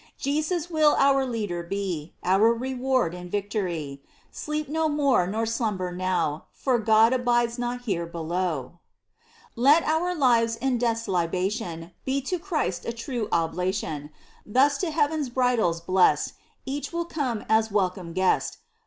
Jesus will our Leader be, Our Reward in victory : Sleep no more nor slumber now, For God abides not here below ! Let our lives in death's libation Be to Christ a true oblation, Thus to heaven's bridals blest Each will come as welcome guest.